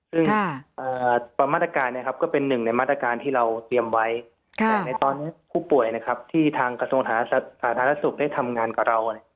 ซึ่งตามมาตรการก็เป็นหนึ่งในมาตรการที่เราเตรียมไว้แต่ในตอนนี้ผู้ป่วยที่ทางกระทรวงสาธารณสุขได้ทำงานกับเรา